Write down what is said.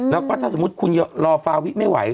แล้วก็ถ้าสมมุติคุณรอฟาวิไม่ไหว